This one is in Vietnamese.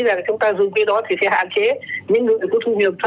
mà không tạo cái điều kiện để đẩy mạnh xúc đẩy hưu dịch